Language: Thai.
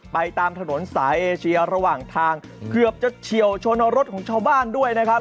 ไปตามถนนสายเอเชียระหว่างทางเกือบจะเฉียวชนรถของชาวบ้านด้วยนะครับ